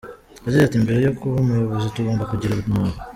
Yagize ati” Mbere yo kuba umuyobozi tugomba kugira ubumuntu.